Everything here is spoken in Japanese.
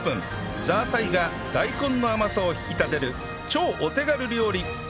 ザーサイが大根の甘さを引き立てる超お手軽料理